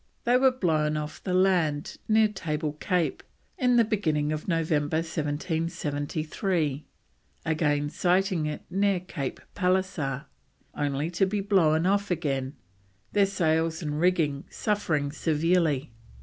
They were blown off the land near Table Cape in the beginning of November 1773, again sighting it near Cape Pallisser, only to be blown off again, their sails and rigging suffering severely.